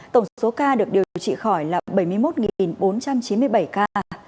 tổng số ca được điều trị khỏi là bảy mươi một bốn trăm chín mươi bảy ca